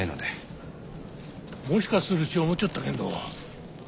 もしかするち思っちょったけんど